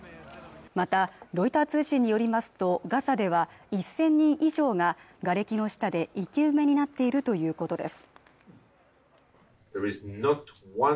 またロイター通信によりますとガザでは１０００人以上ががれきの下で生き埋めになっているということです